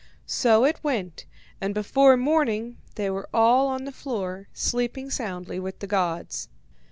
So it went, and before morning they were all on the floor, sleeping soundly with the gods.